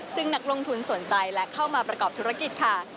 ซึ่งนักลงทุนสนใจและเข้ามาประกอบธุรกิจค่ะ